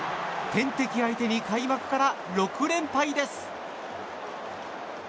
天敵相手に開幕から６連敗です。